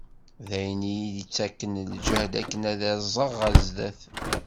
D ayen i yi-d-yettaken lǧehd akken ad aẓeɣ ɣer zzat.